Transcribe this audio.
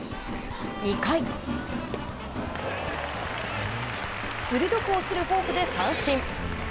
２回、鋭く落ちるフォークで三振。